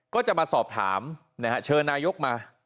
ก็จะมาสอบถามนะฮะเชิญนายกมา